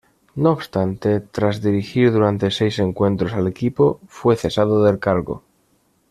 No obstante, tras dirigir durante seis encuentros al equipo fue cesado del cargo.